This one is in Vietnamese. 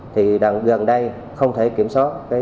thì gần đây không thể kiểm soát